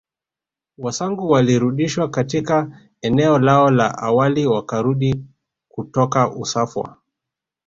Wasangu walirudishwa katika eneo lao la awali wakarudi kutoka Usafwa